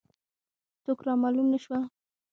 څوک را معلوم نه شول.